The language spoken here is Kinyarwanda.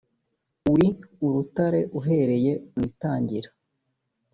uri urutare uhereye mu itangira